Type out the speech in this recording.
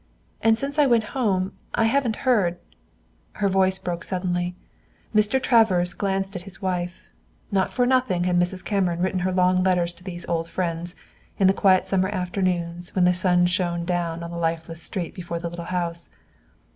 And since I went home I haven't heard " Her voice broke suddenly. Mr. Travers glanced at his wife. Not for nothing had Mrs. Cameron written her long letters to these old friends, in the quiet summer afternoons when the sun shone down on the lifeless street before the little house.